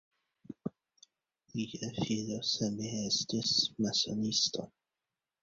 Lia filo same estis masonisto.